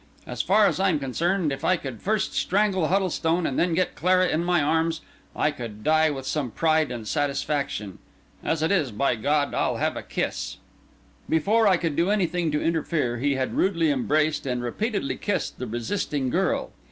As far as I'm concerned, if I could first strangle Huddlestone and then get Clara in my arms, I could die with some pride and satisfaction. And as it is, by God, I'll have a kiss!" Before I could do anything to interfere, he had rudely embraced and repeatedly kissed the resisting girl.